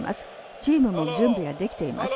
チームも準備はできています。